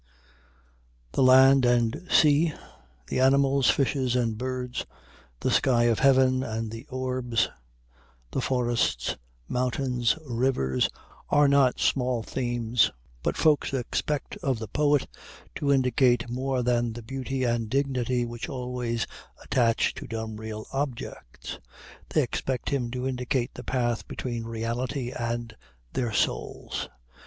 The land and sea, the animals, fishes and birds, the sky of heaven and the orbs, the forests, mountains and rivers, are not small themes but folks expect of the poet to indicate more than the beauty and dignity which always attach to dumb real objects they expect him to indicate the path between reality and their souls.